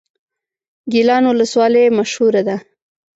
ګیلان ولسوالۍ مشهوره ده؟